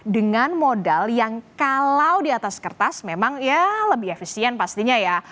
dengan modal yang kalau di atas kertas memang ya lebih efisien pastinya ya